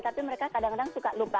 tapi mereka kadang kadang suka lupa